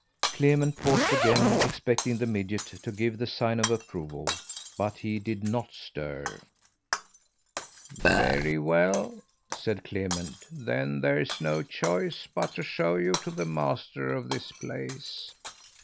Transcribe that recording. Clement paused again, expecting the midget to give the sign of approval, but he did not stir. "Very well," said Clement, "then there's no choice but to show you to the master of this place.